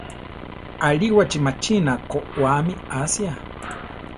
Aríwachi machína koʼwáami asia.